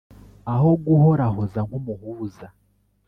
aho guhorahoza nk' umuhuza